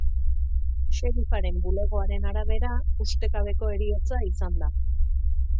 Sheriffaren bulegoaren arabera, ustekabeko heriotza izan da.